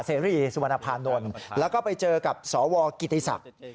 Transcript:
เสรีสุวรรณภานนท์แล้วก็ไปเจอกับสวกิติศักดิ์